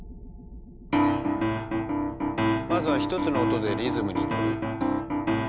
まずは１つの音でリズムに乗る。